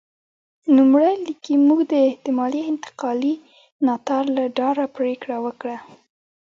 نوموړی لیکي موږ د احتمالي انتقالي ناتار له ډاره پرېکړه وکړه.